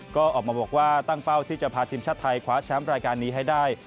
ก็ออกมาบอกว่าตั้งเป้าที่จะพาทีมชาติไทยคว้าแชมป์รายการนี้ให้ได้